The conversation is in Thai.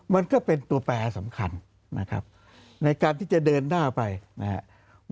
มันก็เป็นตัวแปรสำคัญนะครับในการที่จะเดินหน้าไปนะครับ